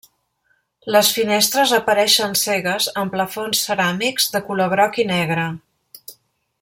Les finestres apareixen cegues amb plafons ceràmics de color groc i negre.